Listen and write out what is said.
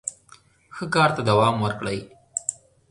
ښه کار ته دوام ورکړئ.